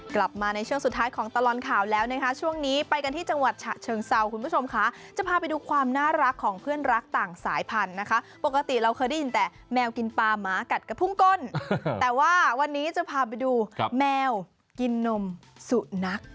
กลับมาในช่วงสุดท้ายของตลอดข่าวแล้วนะคะช่วงนี้ไปกันที่จังหวัดฉะเชิงเซาคุณผู้ชมค่ะจะพาไปดูความน่ารักของเพื่อนรักต่างสายพันธุ์นะคะปกติเราเคยได้ยินแต่แมวกินปลาหมากัดกระพุ่งก้นแต่ว่าวันนี้จะพาไปดูแมวกินนมสุนัข